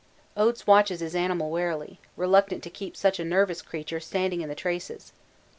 Oates watches his animal warily, reluctant to keep such a nervous creature standing in the traces.